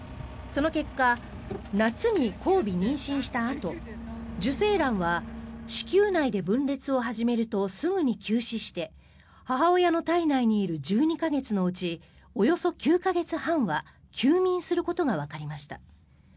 その結果夏に交尾・妊娠したあと受精卵は子宮内で分裂を始めるとすぐに休止して母親の胎内にいる１２か月のうちおよそ９か月半は休眠することがわかりました。